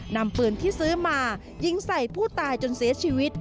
นำปืนที่ซื้อมายิงใส่ผู้ตายจนเสียชีวิต